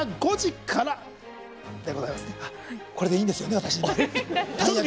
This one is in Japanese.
これでいいんですよね。